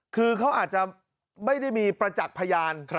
คือเขาอาจจะไม่ได้มีประจักษ์พยาน